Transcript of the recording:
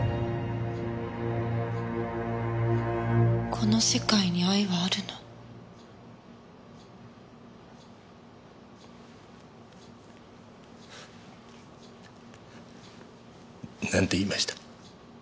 「この世界に愛はあるの？」。なんて言いました？